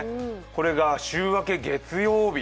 これが週明け、月曜日。